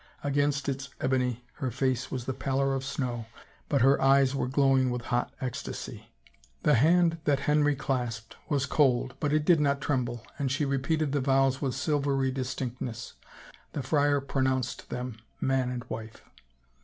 Against its ebony her face was the pallor of snow, but her eyes were glow ing with hot ecstasy. The hand that Henry clasped was cold but it did not tremble, and she repeated the vows with silvery distinctness. ... The friar pronoimced them man and wife.